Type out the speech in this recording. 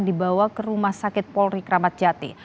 dibawa ke rumah sakit polri kramatjati